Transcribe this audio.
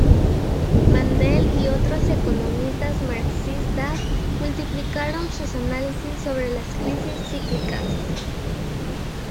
Mandel y otros economistas marxistas multiplicaron sus análisis sobre las crisis cíclicas.